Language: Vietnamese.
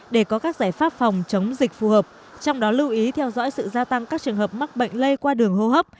để có các giải pháp phòng chống dịch phù hợp trong đó lưu ý theo dõi sự gia tăng các trường hợp mắc bệnh lây qua đường hô hấp